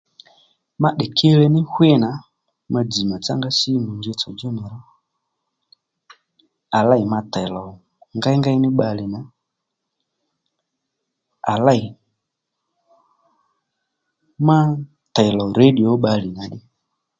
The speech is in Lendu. Ma tdè kiyele ní hwî nà ma dzz̀ màtsángá símù njitsò djú nì ro à lêy ma tèy lò ngéyngéy ní bbalè nà, à lêy ma tèy lò redio ó bbalè nà ddí